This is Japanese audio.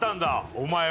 「お前」は。